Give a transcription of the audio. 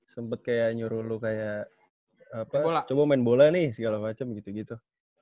sempet kayak nyuruh lu kayak coba main bola nih segala macem gitu gitu